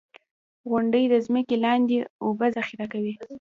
• غونډۍ د ځمکې لاندې اوبه ذخېره کوي.